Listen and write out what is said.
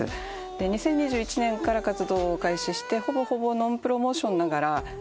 ２０２１年から活動を開始してほぼほぼノンプロモーションながら曲のよさ。